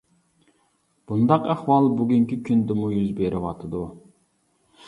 بۇنداق ئەھۋال بۈگۈنكى كۈندىمۇ يۈز بېرىۋاتىدۇ.